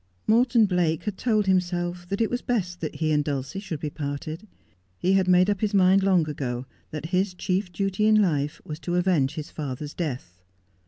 Morton Blake had told himself that it was best that he and Dulcie should be parted. He had made up his mind long ago that his chief duty in life was to avenge his father's death.